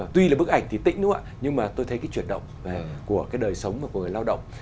tuy là bức ảnh thì tĩnh không ạ nhưng mà tôi thấy cái chuyển động của cái đời sống của người lao động